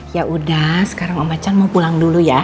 ya udah sekarang om bacan mau pulang dulu ya